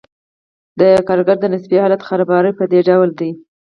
د کارګر د نسبي حالت خرابوالی په دې ډول دی